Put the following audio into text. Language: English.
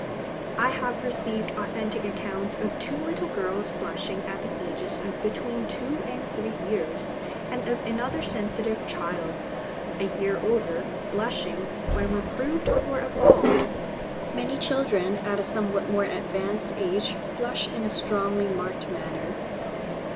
I have received authentic accounts of two little girls blushing at the ages of between two and three years; and of another sensitive child, a year older, blushing, when reproved for a fault. Many children, at a somewhat more advanced age blush in a strongly marked manner.